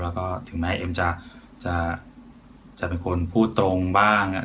แล้วก็ถึงแม้เอ็มจะเป็นคนพูดตรงบ้าง